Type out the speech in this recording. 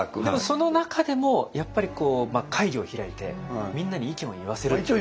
でもその中でもやっぱり会議を開いてみんなに意見を言わせる。